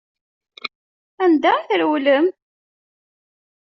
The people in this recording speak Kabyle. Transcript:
Anda i trewlem?